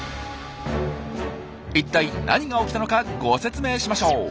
いったい何が起きたのかご説明しましょう。